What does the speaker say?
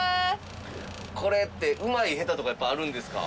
これってうまい下手とかやっぱりあるんですか？